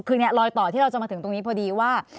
คือเนี่ยรอยต่อที่เราจะมาถึงตรงนี้พอดีว่า